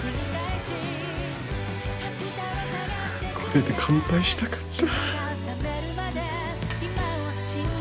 これで乾杯したかった。